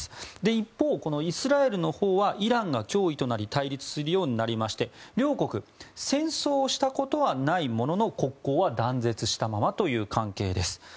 一方、イスラエルのほうはイランが脅威となり対立するようになりまして両国、戦争をしたことはないものの国交は断絶したままという関係です。